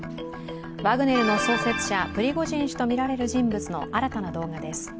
ワグネルの創設者プリゴジン氏とみられる人物の新たな動画です。